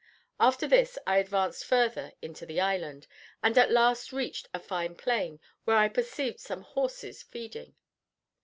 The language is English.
After this I advanced further into the island, and at last reached a fine plain, where I perceived some horses feeding.